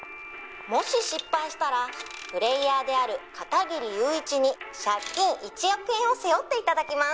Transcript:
「もし失敗したらプレーヤーである片切友一に借金１億円を背負って頂きます」